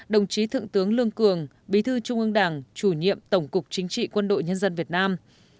một mươi chín đồng chí thượng tướng lương cường bí thư trung ương đảng chủ nhiệm tổng cục chính trị quân đội nhân dân việt nam